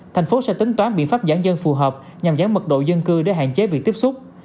thành phố sẽ tính toán biện pháp giãn dân phù hợp nhằm giảm mật độ dân cư để hạn chế việc tiếp xúc